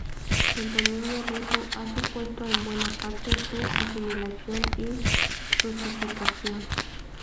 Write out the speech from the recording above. El dominio ruso ha supuesto -en buena parte- su asimilación y rusificación.